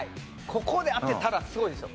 ここで当てたらすごいですよ。